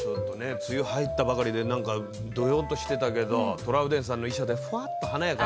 梅雨に入ったばかりでどよんとしてたけどトラウデンさんの衣装でふわっと華やかになりましたね。